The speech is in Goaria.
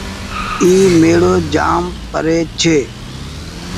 اي ميڙو جآم پري ڇي۔